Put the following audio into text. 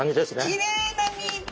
きれいな身！